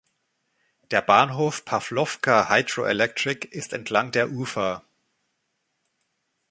Der Bahnhof Pavlovka Hydroelectric ist entlang der Ufa.